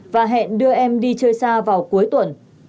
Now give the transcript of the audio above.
và hẹn đưa em đi chơi xa vào cuối tuần